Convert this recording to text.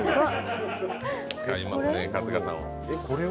使いますね、春日さんを。